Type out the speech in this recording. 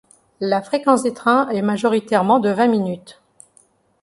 La fréquence des trains est majoritairement de vingt minutes.